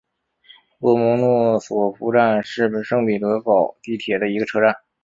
洛蒙诺索夫站是圣彼得堡地铁的一个车站。